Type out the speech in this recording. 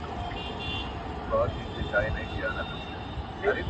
o هغه کله ناسته کله ولاړه ده او ارام نه مومي,